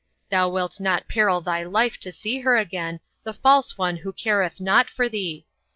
Thou wilt not peril thy life to see her again, the false one who careth not for thee.